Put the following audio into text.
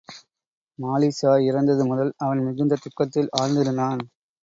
மாலிக்ஷா இறந்தது முதல் அவன் மிகுந்த துக்கத்தில் ஆழ்ந்திருந்தான்.